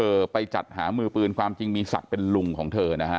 ไปจัดหามือปืนความจริงมีศักดิ์เป็นลุงของเธอนะฮะ